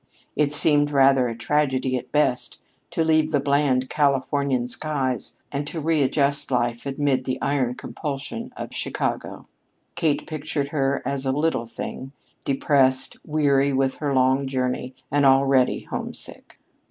It seemed rather a tragedy, at best, to leave the bland Californian skies and to readjust life amid the iron compulsion of Chicago. Kate pictured her as a little thing, depressed, weary with her long journey, and already homesick.